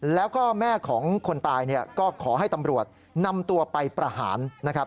แล้วก็แม่ของคนตายก็ขอให้ตำรวจนำตัวไปประหาร